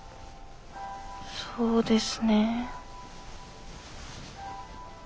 そうですね心を。